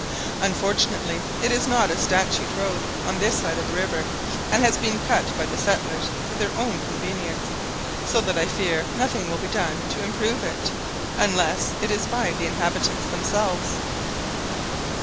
Unfortunately it is not a statute road on this side the river, and has been cut by the settlers for their own convenience, so that I fear nothing will be done to improve it, unless it is by the inhabitants themselves.